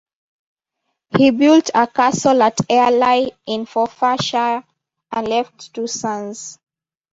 He built a castle at Airlie in Forfarshire, and left two sons.